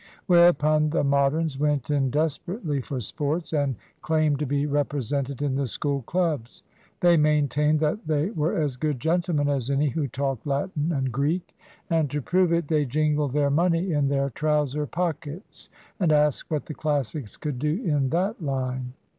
Whereupon the Moderns went in desperately for sports, and claimed to be represented in the School clubs. They maintained that they were as good gentlemen as any who talked Latin and Greek; and to prove it they jingled their money in their trouser pockets, and asked what the Classics could do in that line.